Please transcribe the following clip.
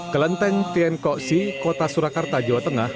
kelenteng tienko si kota surakarta jawa tengah